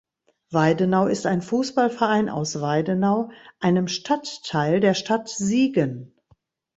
Weidenau ist ein Fußballverein aus Weidenau, einem Stadtteil der Stadt Siegen.